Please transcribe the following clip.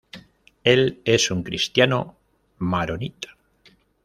Él es un cristiano maronita.